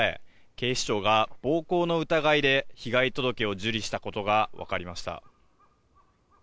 警視庁が暴行の疑いで被害届を受理したことが分かりました。